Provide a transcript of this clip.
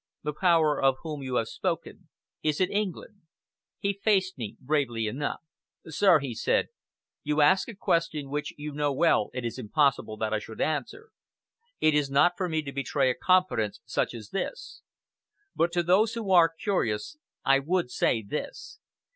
The Power of whom you have spoken is it England?" He faced me bravely enough. "Sir," he said, "you ask a question which you know well it is impossible that I should answer. It is not for me to betray a confidence such as this. But to those who are curious, I would say this.